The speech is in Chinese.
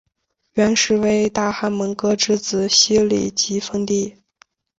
元时为大汗蒙哥之子昔里吉封地。